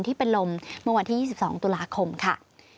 ที่เป็นลมเมื่อวันที่๒๒ตุลาคมค่ะ